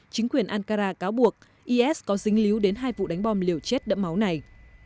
chính quyền ankara cáo buộc is có dính líu đến hai vụ đánh bom liều chết đẫm máu này